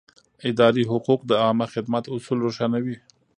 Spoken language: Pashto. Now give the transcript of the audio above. اداري حقوق د عامه خدمت اصول روښانوي.